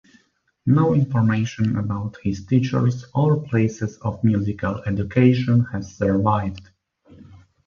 No information about his teachers or places of musical education has survived.